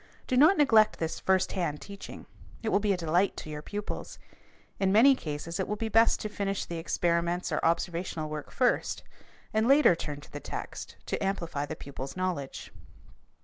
Do not neglect this first hand teaching. It will be a delight to your pupils. In many cases it will be best to finish the experiments or observational work first, and later turn to the text to amplify the pupil's knowledge.